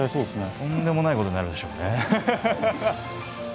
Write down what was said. とんでもないことになるでしょうね。